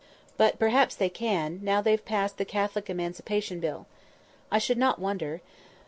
But perhaps they can, now they've passed the Catholic Emancipation Bill. I should not wonder.